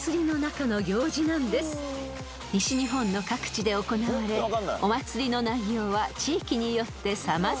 ［西日本の各地で行われお祭りの内容は地域によって様々］